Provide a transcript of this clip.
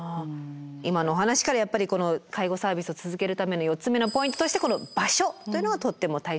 今のお話からやっぱりこの介護サービスを続けるための４つ目のポイントとしてこの「場所」というのがとっても大切になると。